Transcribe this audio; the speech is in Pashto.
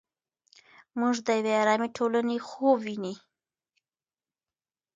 موږ د یوې ارامې ټولنې خوب ویني.